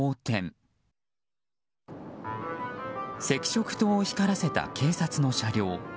赤色灯を光らせた警察の車両。